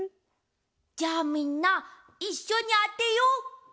じゃみんないっしょにあてよう。